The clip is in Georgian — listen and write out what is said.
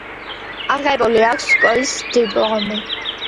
აღებული აქვს სკოლის დიპლომი.